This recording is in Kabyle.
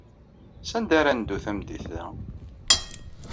Sanda ara neddu tameddit-a?